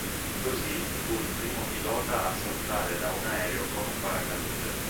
Così, fu il primo pilota a saltare da un aereo con un paracadute.